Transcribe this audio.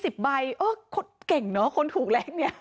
ใบเออเก่งเนอะคนถูกแรงเนี่ย